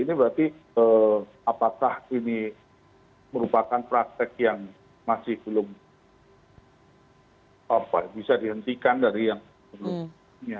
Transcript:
ini berarti apakah ini merupakan praktek yang masih belum bisa dihentikan dari yang sebelumnya